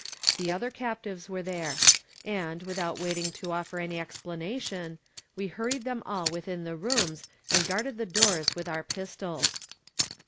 The other captives were there; and, without waiting to offer any explanation, we hurried them all within the rooms, and guarded the doors with our pistols.